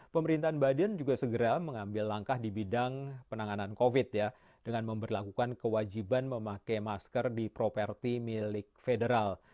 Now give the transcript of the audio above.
pemerintahan biden juga segera mengambil langkah di bidang penanganan covid dengan memperlakukan kewajiban memakai masker di properti milik federal